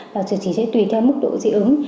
và xử trí sẽ tùy theo mức độ dị ứng